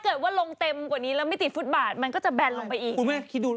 ว่าลงเต็มกว่านี้แล้วไม่ติดฟุตบาทมันก็จะแนนลงไปอีก